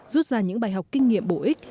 rút ra những bài học kinh nghiệm bổ ích